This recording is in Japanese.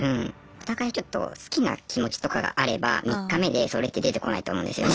お互いちょっと好きな気持ちとかがあれば３日目でそれって出てこないと思うんですよね。